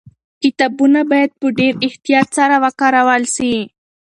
کتابونه باید په ډېر احتیاط سره وکارول سي.